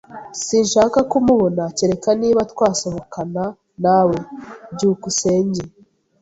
Sinshaka kumubona, kereka niba twasohokana nawe. byukusenge